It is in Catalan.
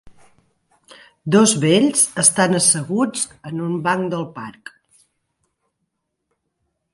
dos vells estan asseguts en un banc del parc